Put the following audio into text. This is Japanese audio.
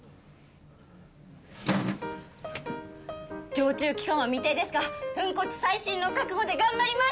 常駐期間は未定ですが粉骨砕身の覚悟で頑張ります！